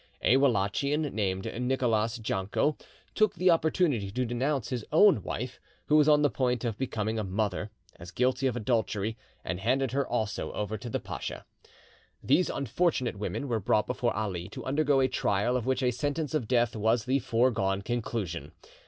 A Wallachian, named Nicholas Janco, took the opportunity to denounce his own wife, who was on the point of becoming a mother, as guilty of adultery, and handed her also over to the pacha. These unfortunate women were brought before Ali to undergo a trial of which a sentence of death was the foregone conclusion.